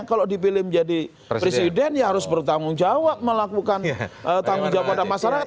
kalau dipilih menjadi presiden ya harus bertanggung jawab melakukan tanggung jawab pada masyarakat